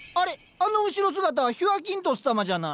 あの後ろ姿はヒュアキントス様じゃない？